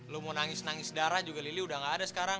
lo mau nangis nangis darah juga lili udah gak ada sekarang